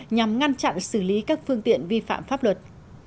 nhằm ngăn chặn xử lý các phương tiện vi phạm pháp luật